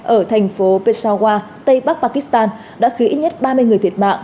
ở thành phố pesawa tây bắc pakistan đã khiến ít nhất ba mươi người thiệt mạng